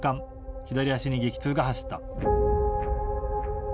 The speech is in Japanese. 左足に激痛が走った。